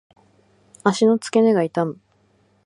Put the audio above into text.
足の付け根が痛む。